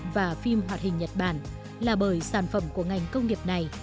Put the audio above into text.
và phim hoạt hình nhật bản là bởi sản phẩm của ngành công nghiệp này